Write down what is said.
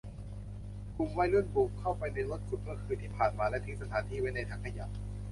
กลุ่มวัยรุ่นบุกเข้าไปในรถขุดเมื่อคืนที่ผ่านมาและทิ้งสถานที่ไว้ในถังขยะ